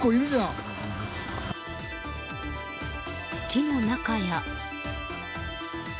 木の中や。